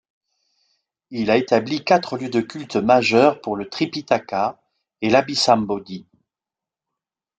Il a établi quatre lieux de culte majeurs pour le Tripitaka et l'Abhisambodhi.